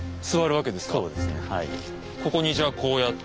ここにじゃあこうやって。